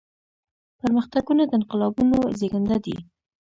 پرمختګونه د انقلابونو زيږنده دي.